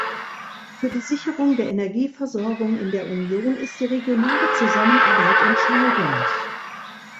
Für die Sicherung der Energieversorgung in der Union ist die regionale Zusammenarbeit entscheidend.